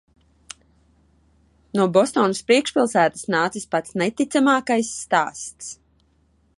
No Bostonas priekšpilsētas nācis pats neticamākais stāsts.